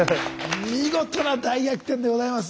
見事な大逆転でございます。